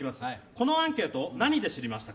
このアンケート何で知りましたか。